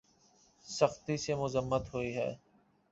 سختی سے مذمت ہوئی ہے